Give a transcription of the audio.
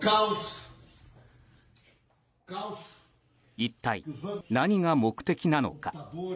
一体、何が目的なのか。